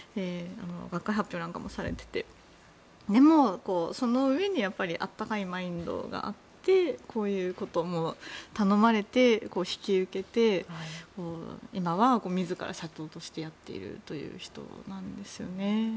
学会なんかもされていてでもその上に温かいマインドがあってこういうことも頼まれて引き受けて今は自ら社長としてやっているという人なんですよね。